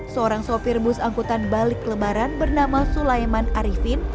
seorang sopir bus angkutan balik lebaran bernama sulaiman arifin